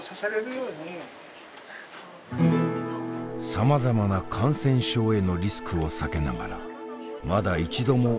さまざまな感染症へのリスクを避けながらまだ一度も会えていない